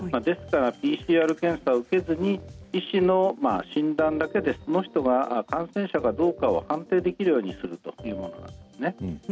ですからＰＣＲ検査を受けずに医師の診断だけでその人が感染者かどうかを判断できるようにするというものなんですね。